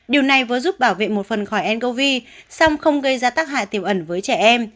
điều này vừa giúp bảo vệ một phần khỏi ncov song không gây ra tác hại tiềm ẩn với trẻ em